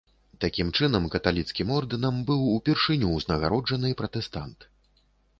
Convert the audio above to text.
Такім чынам каталіцкім ордэнам быў упершыню ўзнагароджаны пратэстант.